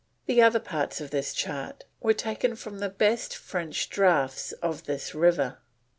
The other parts of this chart were taken from the best French Draughts of this River."